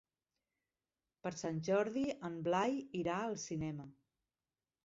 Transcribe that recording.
Per Sant Jordi en Blai irà al cinema.